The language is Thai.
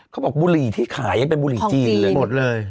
เขาบอกบุหรี่ที่ขายยังเป็นบุหรี่จีนเลย